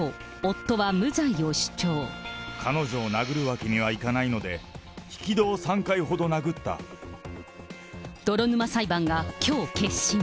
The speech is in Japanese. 彼女を殴るわけにはいかない泥沼裁判がきょう結審。